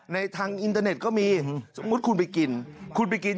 ในทางอินเทอร์เน็ตอ่มดคุณไปกิน